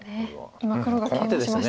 今黒がケイマしました。